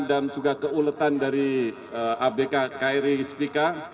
dan juga keuletan dari abk kri spk